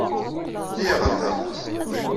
Iyya ɣer da.